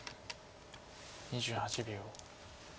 ２８秒。